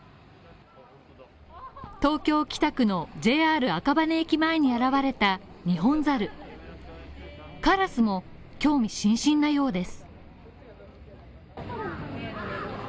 東京・北区のＪＲ赤羽駅前に現れたニホンザルカラスも興味津々のようです。